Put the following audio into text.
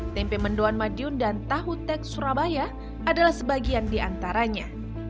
tempe mendoan madiun dan tahu tek surabaya adalah sebagian di antaranya